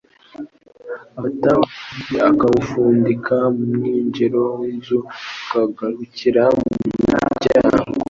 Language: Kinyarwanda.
afata umugozi akawupfundika mu mwinjiro w’inzu ukagarukira mu muryango,